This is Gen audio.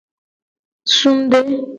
Sungde.